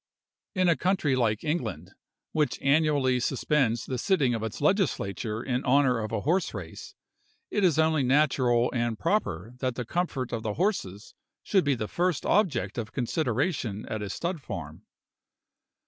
In a country like England, which annually suspends the sitting of its Legislature in honor of a horse race, it is only natural and proper that the comfort of the horses should be the first object of consideration at a stud farm.